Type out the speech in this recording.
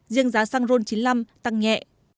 riêng giá xăng ron chín mươi năm tăng nhẹ